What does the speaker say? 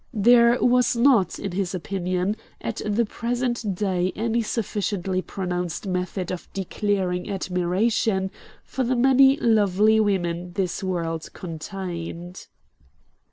There was not, in his opinion, at the present day any sufficiently pronounced method of declaring admiration for the many lovely women this world contained.